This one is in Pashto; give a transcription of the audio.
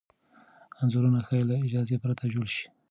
انځورونه ښايي له اجازې پرته جوړ شي.